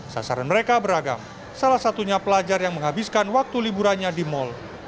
sasaran mereka beragam salah satunya pelajar yang menghabiskan waktu liburannya di mal